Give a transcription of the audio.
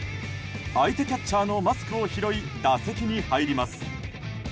相手キャッチャーのマスクを拾い打席に入ります。